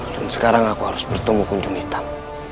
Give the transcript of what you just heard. dan sekarang aku harus bertemu kunjung hitam